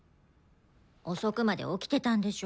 遅くまで起きてたんでしょ。